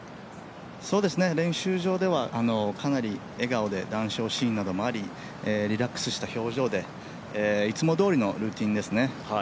練習場ではかなり笑顔で談笑シーンなどもありリラックスした表情でいつもどおりのルーティンですね。